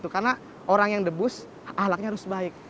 karena orang yang debus ahlaknya harus baik